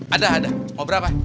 ada ada mau berapa